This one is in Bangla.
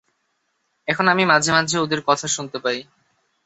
এখন আমি মাঝে-মাঝে ওদের কথা শুনতে পাই।